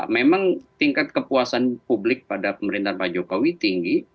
memang tingkat kepuasan publik pada pemerintahan pak jokowi tinggi